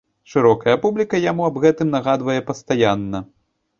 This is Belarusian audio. Шырокая публіка яму аб гэтым нагадвае пастаянна.